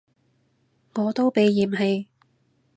我都被嫌棄